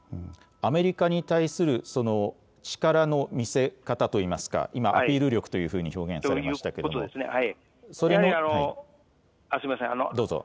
アメリカに対するその力の見せ方といいますか、今、アピール力というふうに表現されましたけれども。